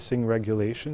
và phần tài liệu